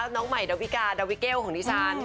น้องใหม่ดาวิกาดาวิเกลของดิฉัน